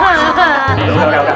udah udah udah